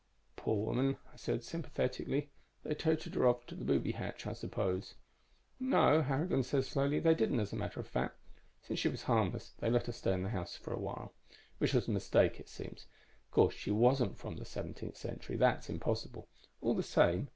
"Poor woman," I said sympathetically. "They toted her off to the booby hatch, I suppose." "No...." Harrigan said slowly. "They didn't, as a matter of fact. Since she was harmless, they let her stay in the house a while. Which was a mistake, it seems. Of course, she wasn't from the seventeenth century. That's impossible. All the same